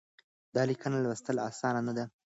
دا ليکنه لوستل اسانه ده.